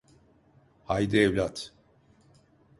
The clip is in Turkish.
Haydi evlat!